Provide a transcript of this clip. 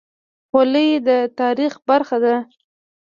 خولۍ د تاریخ برخه ده.